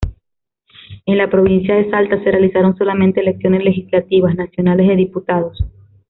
En la provincia de Salta se realizaron solamente elecciones legislativas nacionales de diputados.